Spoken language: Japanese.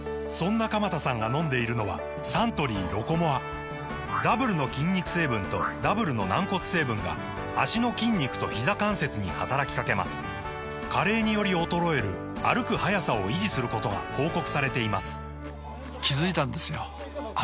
そんな鎌田さんが飲んでいるのはサントリー「ロコモア」ダブルの筋肉成分とダブルの軟骨成分が脚の筋肉とひざ関節に働きかけます加齢により衰える歩く速さを維持することが報告されています